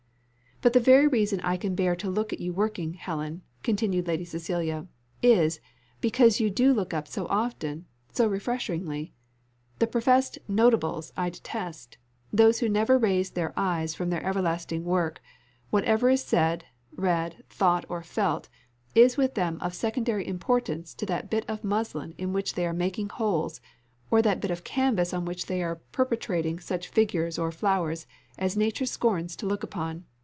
"But the very reason I can bear to look at you working, Helen," continued Lady Cecilia, "is, because you do look up so often so refreshingly. The professed Notables I detest those who never raise their eyes from their everlasting work; whatever is said, read, thought, or felt, is with them of secondary importance to that bit of muslin in which they are making holes, or that bit of canvass on which they are perpetrating such figures or flowers as nature scorns to look upon.